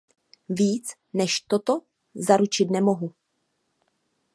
Víc než toto zaručit nemohu.